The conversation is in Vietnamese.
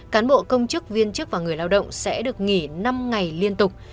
cán bộ công chức viên chức và người lao động sẽ được nghỉ năm ngày liên tục